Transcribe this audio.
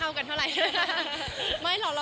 ไม่ค่อยเข้ากันเท่าไร